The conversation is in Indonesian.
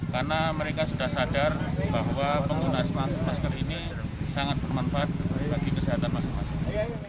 karena mereka sudah sadar bahwa penggunaan masker ini sangat bermanfaat bagi kesehatan masing masing